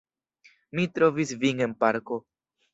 Mi trovis vin en parko!